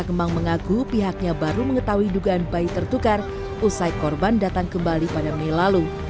kemang mengaku pihaknya baru mengetahui dugaan bayi tertukar usai korban datang kembali pada mei lalu